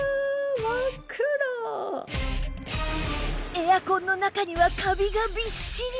エアコンの中にはカビがびっしり！